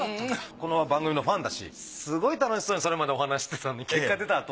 この番組のファンだしすごい楽しそうにそれまでお話ししてたのに結果出たあと。